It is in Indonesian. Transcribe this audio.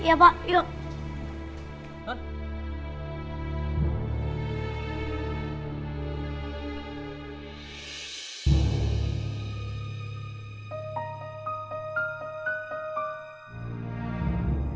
aku pasti bapak mau ny liedu sama tiaran